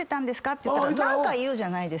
って言ったら何か言うじゃないですか。